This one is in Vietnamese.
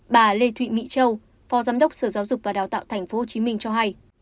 bà lê thị mỹ châu phó giám đốc sở giáo dục và đào tạo tp hcm cho hay